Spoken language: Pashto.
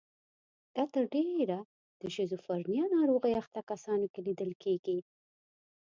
دا تر ډېره د شیزوفرنیا ناروغۍ اخته کسانو کې لیدل کیږي.